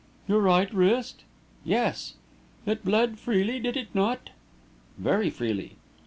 "Your right wrist?" "Yes." "It bled freely, did it not?" "Very freely."